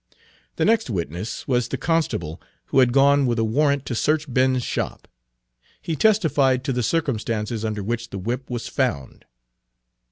The next witness was the constable who had gone with a warrant to search Ben's shop. He testified to the circumstances under which the whip was found.